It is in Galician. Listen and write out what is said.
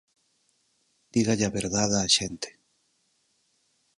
Díganlle a verdade á xente.